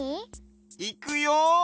いくよ！